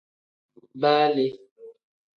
Baa le.